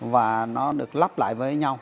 và nó được lắp lại với nhau